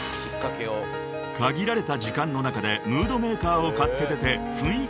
［限られた時間の中でムードメーカーを買って出て雰囲気づくりに貢献］